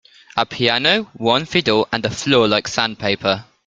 A piano, one fiddle, and a floor like sandpaper.